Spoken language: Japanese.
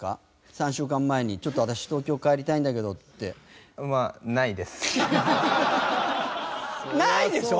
３週間前に「ちょっと私東京帰りたいんだけど」って。ないでしょ！